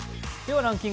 ランキング